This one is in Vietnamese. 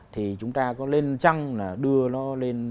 thì chúng ta có lên trăng là đưa nó lên